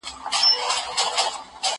زه به سبا لاس پرېولم وم!